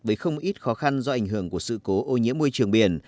với không ít khó khăn do ảnh hưởng của sự cố ô nhiễm môi trường biển